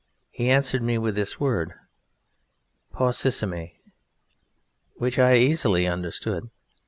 He answered me with this word, "Paucissime," which I easily understood.